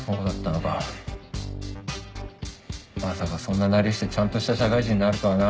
まさかそんななりしてちゃんとした社会人になるとはな。